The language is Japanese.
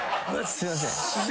すいません。